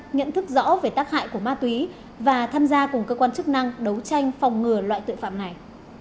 nhận thức rõ về tác hại của ma túy và tham gia cùng cơ quan chức năng đấu tranh phòng ngừa loại tội phạm này